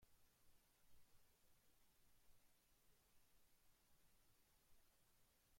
Incluso podría ser usado para lanzar estaciones espaciales del tipo Skylab.